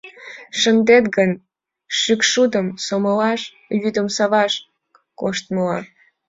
Шындет гын, шӱкшудым сомылаш, вӱдым шаваш коштмыла.